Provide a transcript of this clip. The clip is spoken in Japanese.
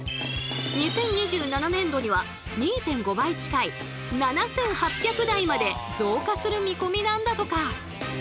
２０２７年度には２．５倍近い７８００台まで増加する見込みなんだとか。